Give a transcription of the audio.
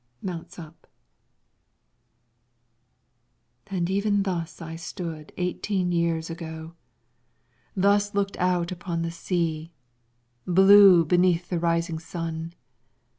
[Mounts up.] And even thus I stood eighteen years ago, thus looked out upon the sea, blue beneath the rising sun.